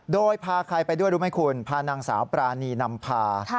โดยพาใครไปด้วยรู้ไหมคุณพานางสาวปรานีนำพา